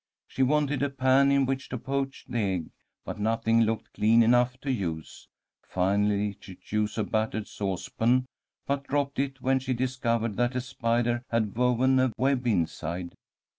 She wanted a pan in which to poach the egg, but nothing looked clean enough to use. Finally she chose a battered saucepan, but dropped it when she discovered that a spider had woven a web inside.